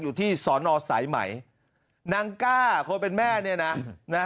อยู่ที่สอนอสายไหมนางก้าคนเป็นแม่เนี่ยนะ